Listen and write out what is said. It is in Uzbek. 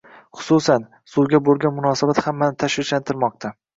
Xususan, suvga bo‘lgan munosabat hammani tashvishlantirmoqda